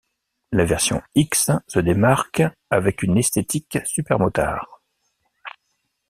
La version X se démarque avec une esthétique supermotard.